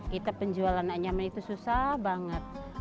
kita penjualan anak nyaman itu susah banget